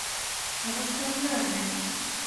هغه ستا پلار دی